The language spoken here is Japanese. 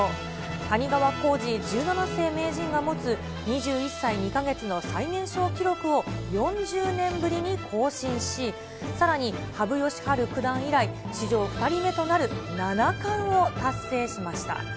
たにがわこうじ１７世名人が持つ２１歳２か月の最年少記録を４０年ぶりに更新し、さらに、羽生善治九段以来、史上２人目となる七冠を達成しました。